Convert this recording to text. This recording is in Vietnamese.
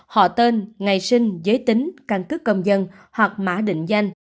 họ tên ngày sinh giới tính căn cứ công dân hoặc mã định danh